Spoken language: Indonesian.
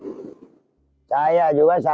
saya juga sampai sampai selancar saya sudah berjalan jalan